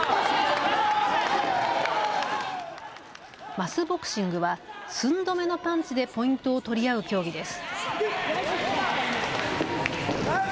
マスボクシングは寸止めのパンチでポイントを取り合う競技です。